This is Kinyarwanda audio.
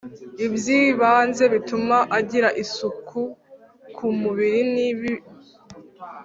ibyibanze bituma agira isuku kumubiri nibi